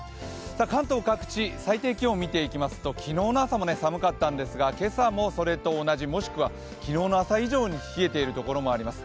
関東各地、最低気温を見ていきますと、昨日の朝も寒かったんですが今朝もそれと同じもしくは昨日の朝以上に冷えているところもあります。